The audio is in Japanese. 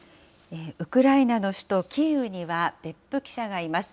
ウクライナの首都キーウには別府記者がいます。